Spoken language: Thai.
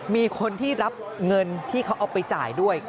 มีคนที่รับเงินที่เขาเอาไปจ่ายด้วย